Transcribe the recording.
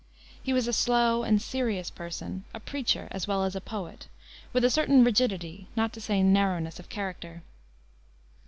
He was a slow and serious person, a preacher as well as a poet, with a certain rigidity, not to say narrowness, of character.